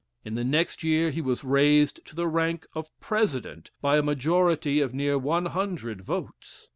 In the next year he was raised to the rank of President by a majority of near one hundred votes.